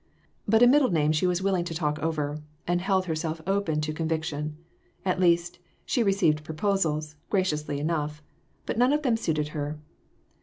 But a middle name she was willing to talk over, and held herself open to conviction. At least, she received proposals graciously enough, but none of them suited her.